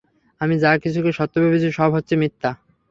আমি যা কিছুকে সত্য ভেবেছি, সব হচ্ছে মিথ্যা।